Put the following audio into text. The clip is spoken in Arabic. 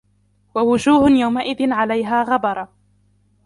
ووجوه يومئذ عليها غبرة